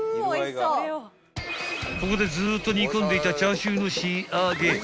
［ここでずっと煮込んでいたチャーシューの仕上げ］